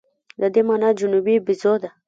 د دې مانا جنوبي بیزو ده.